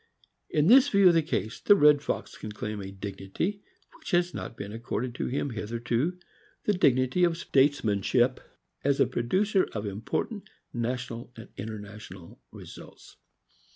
In this view of the case, the red fox can claim a dignity which has not been accorded to him hitherto — the dignity of statesmanship as the producer of important national and international results.